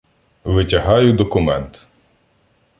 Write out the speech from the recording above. Витягаю документ.